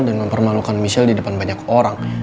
dan mempermalukan michelle di depan banyak orang